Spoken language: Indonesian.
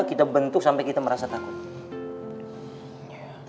kita bentuk sampai kita merasa takut